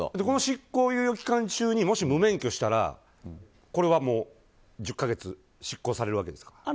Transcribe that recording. この執行猶予期間中にもし無免許したらもう１０か月執行されるわけですか？